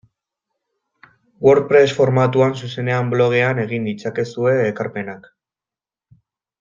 WordPress formatuan zuzenean blogean egin ditzakezue ekarpenak.